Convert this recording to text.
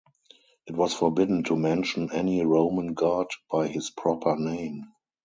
It was forbidden to mention any Roman god by his proper name.